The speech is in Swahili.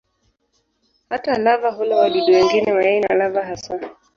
Hata lava hula wadudu wengine, mayai na lava hasa.